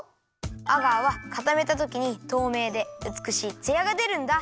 アガーはかためたときにとうめいでうつくしいツヤがでるんだ。